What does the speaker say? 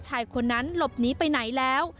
ชายคนนั้นหลบหนีไปไหนแล้ว